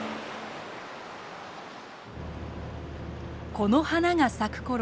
この花が咲くころ